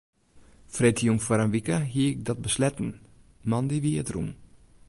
Freedtejûn foar in wike hie ik dat besletten, moandei wie it rûn.